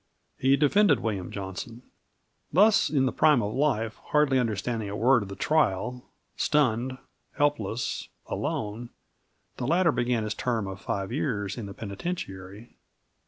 He defended William Johnson. Thus in the prime of life, hardly understanding a word of the trial, stunned, helpless, alone, the latter began upon his term of five years in the penitentiary.